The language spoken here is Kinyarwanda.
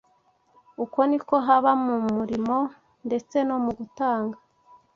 Uko ni ko haba mu murimo ndetse no mu gutanga